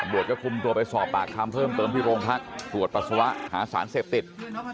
ก็คุมตัวไปสอบปากคำเพิ่มเติมที่โรงพักตรวจปัสสาวะหาสารเสพติด